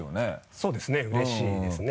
そうですねうれしいですね。